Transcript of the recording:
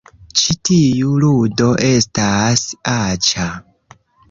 Ĉi tiu ludo estas aĉa